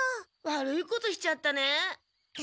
悪いことしちゃったね。